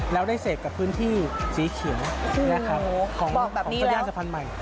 แล้วได้เสกกับพื้นที่สีเขียวของตะแย่สะพันธ์ใหม่